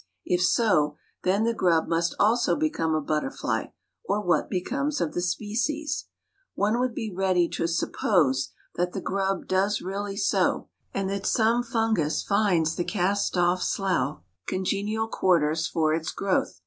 If so, then the grub must also become a butterfly, or what becomes of the species? One would be ready to suppose that the grub does really so, and that some fungus finds the cast off slough congenial quarters for its growth.